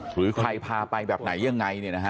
หรือใครพาไปแบบไหนยังไงเนี่ยนะฮะ